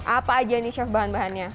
apa aja nih chef bahan bahannya